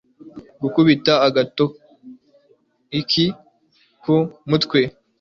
Gukubita gato iki ku mutwe